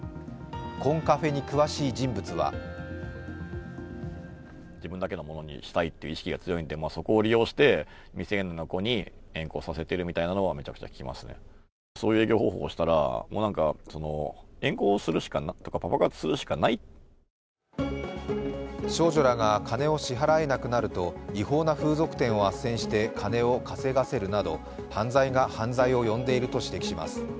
コンカフェに詳しい人物は少女らが金を支払えなくなると違法な風俗店をあっせんして金を稼がせるなど犯罪が犯罪を呼んでいると指摘します。